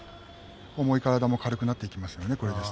重い体も軽くなってしまいますね。